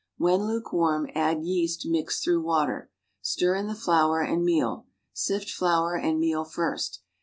When luke warm, add yeast mixed tbrough water. Stir in the flour and meal. Sift flour and meal first.